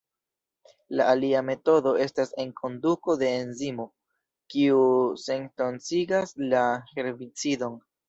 La alia metodo estas enkonduko de enzimo, kiu sentoksigas la herbicidon.